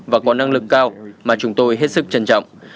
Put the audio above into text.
và có năng lực cao mà chúng tôi hết sức trân trọng